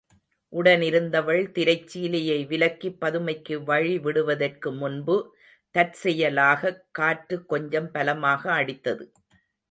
உடனிருந்தவள் திரைச் சீலையை விலக்கிப் பதுமைக்கு வழிவிடுவதற்கு முன்பு தற்செயலாகக் காற்று கொஞ்சம் பலமாக அடித்தது.